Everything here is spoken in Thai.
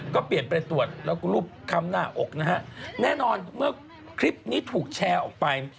ก็เปลี่ยนไปตรวจแล้วก็รูปคำหน้าอกนะฮะแน่นอนเมื่อคลิปนี้ถูกแชร์ออกไป